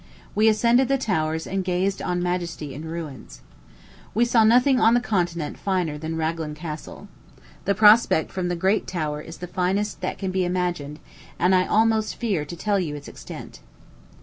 We ascended the towers and gazed on majesty in ruins. We saw nothing on the continent finer than Ragland Castle. The prospect from the great tower is the finest that can be imagined, and I almost fear to tell you its extent.